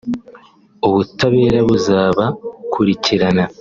ubutabera buzabakurikirana